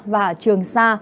và trường sa